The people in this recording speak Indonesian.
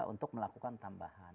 untuk melakukan tambahan